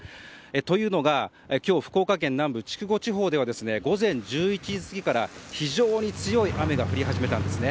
というのが、今日福岡県南部、筑後地方では午前１１時過ぎから非常に強い雨が降り始めたんです。